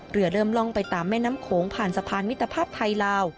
เรือเริ่มล่องไปตามแม่น้ำโขงผ่านสะพานมิตรภาพไทยลาว